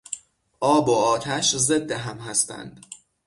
آب و آتش ضد هم هستند.